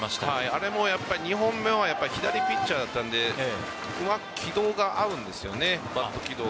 あれも２本目は左ピッチャーだったのでうまく軌道が合うんですよね。